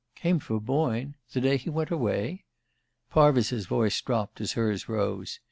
"Came for Boyne? The day he went away?" Parvis's voice dropped as hers rose.